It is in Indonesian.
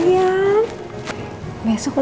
sayang besok boleh berbicara sama kamu ya